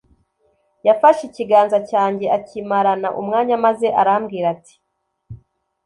Yafashe ikiganza cyange akimarana umwanya, maze arambwira ati: